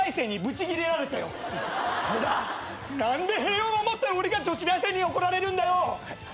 何で平和を守ってる俺が女子大生に怒られるんだよ！